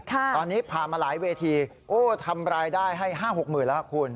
ตอนนี้พามาหลายเวทีทำรายได้ให้๕๖๐๐๐๐ละครับคุณ